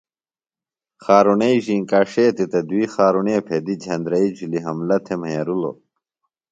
خارُݨئی زینکاݜیتیۡ تہ دُوئی خارݨے پھیدیۡ جھندرئی جُھلیۡ حملہ تھےۡ مھرِلوۡ۔